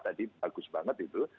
tadi bagus banget itu